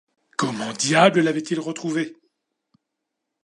Comment diable l’avaient-ils retrouvé ?